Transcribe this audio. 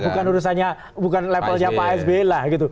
ya bukan urusannya bukan levelnya pak sbi lah gitu